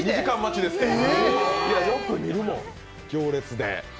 いや、よく見るもん、行列で。